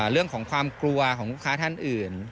เรื่องของความกลัวของลูกค้าท่านอื่น